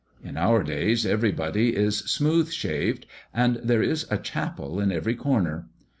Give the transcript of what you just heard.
In our days everybody is smooth shaved, and there is a chapel in every corner.